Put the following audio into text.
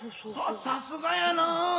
さすがやな。